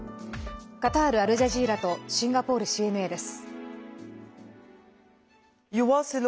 カタール・アルジャジーラとシンガポールＣＮＡです。